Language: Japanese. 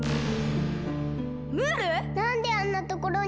なんであんなところに。